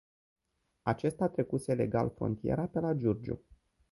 Acesta trecuse legal frontiera pe la Giurgiu.